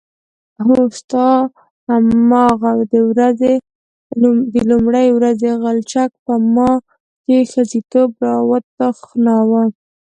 هو ستا هماغه د لومړۍ ورځې غلچک په ما کې ښځتوب راوتخناوه.